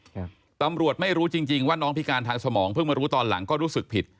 ครับตำรวจไม่รู้จริงจริงว่าน้องพิการทางสมองเพิ่งมารู้ตอนหลังก็รู้สึกผิด